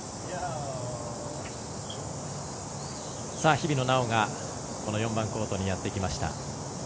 日比野菜緒が４番コートにやってきました。